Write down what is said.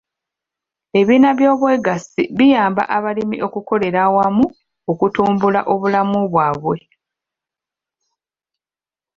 Ebibiina by'obwegassi biyamba abalimi okukolera awamu okutumbula obulamu bwabwe.